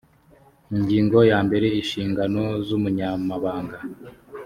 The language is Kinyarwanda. ingingo ya mbere inshingano z umunyamabanga